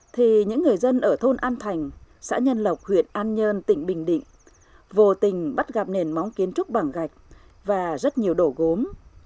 thì những người dân ở thôn an thành xã nhân lộc huyện an nhơn tỉnh bình định vô tình bắt gặp nền móng kiến trúc bằng gạch và rất nhiều đổ gốm